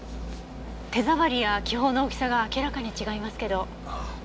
手触りや気泡の大きさが明らかに違いますけど。